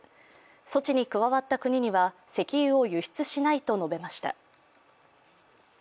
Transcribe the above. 措置に加わった国には石油を輸出しないと述べました。